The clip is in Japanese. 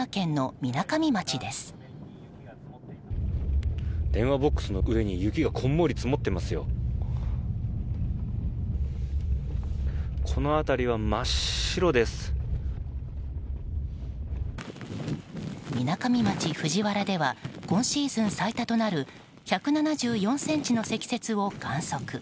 みなかみ町藤原では今シーズン最多となる１７４ｃｍの積雪を観測。